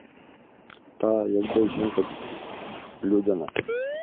Та — якби жінка людяна.